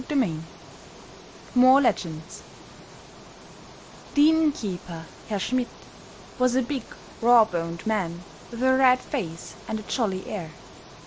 CHAPTER VI MORE LEGENDS THE inn keeper, Herr Schmidt, was a big, raw boned man with a red face and a jolly air.